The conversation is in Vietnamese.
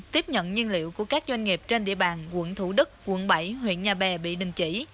tiếp nhận nhiên liệu của các doanh nghiệp trên địa bàn quận thủ đức quận bảy huyện nhà bè bị đình chỉ